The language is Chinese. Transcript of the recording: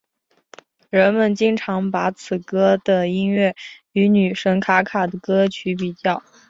人们经常把此歌的音乐与女神卡卡的歌曲比较。